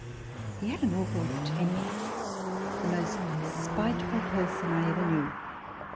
He had an awful temper, the most spiteful person I ever knew